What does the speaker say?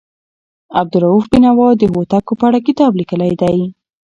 عبدالروف بېنوا د هوتکو په اړه کتاب لیکلی دی.